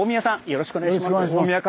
よろしくお願いします。